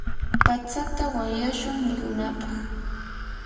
patsata wanyashun murunapaq.